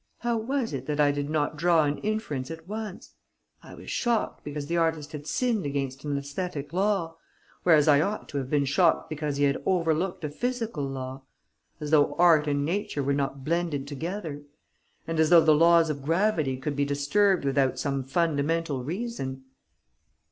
How was it that I did not draw an inference at once? I was shocked because the artist had sinned against an aesthetic law, whereas I ought to have been shocked because he had overlooked a physical law. As though art and nature were not blended together! And as though the laws of gravity could be disturbed without some fundamental reason!"